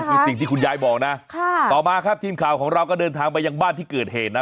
นี่สิ่งที่คุณยายบอกนะต่อมาครับทีมข่าวของเราก็เดินทางไปยังบ้านที่เกิดเหตุนะ